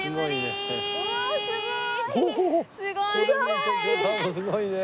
すごいね。